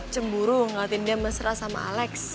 cemburu ngeliatin dia mesra sama alex